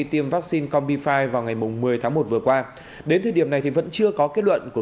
tiêm vaccine combifi vào ngày một mươi tháng một vừa qua đến thời điểm này thì vẫn chưa có kết luận của